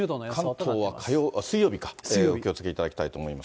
関東は水曜日か、お気をつけいただきたいと思います。